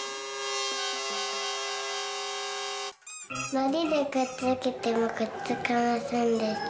「のりでくっつけてもくっつきませんでした」。